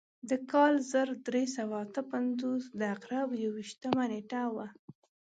د کال زر درې سوه اته پنځوس د عقرب یو ویشتمه نېټه وه.